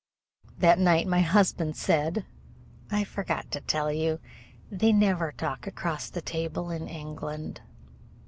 That night my husband said: "I forgot to tell you. They never talk across the table in England."